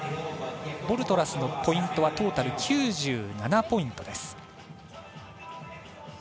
ボルトラスのポイントはトータル９７ポイントです。